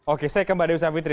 oke saya ke mbak dewi savitri